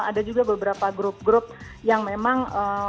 ada juga beberapa grup grup yang memang